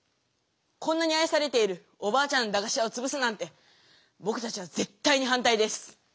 こんなにあいされているおばあちゃんのだがし屋をつぶすなんてぼくたちはぜったいにはんたいです！